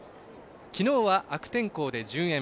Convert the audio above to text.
きのうは悪天候で順延。